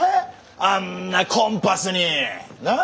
あんなコンパスに。なあ？